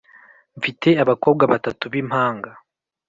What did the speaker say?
mfite abakobwa batatu bimpanga